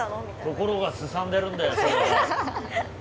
心がすさんでるんだよそれは。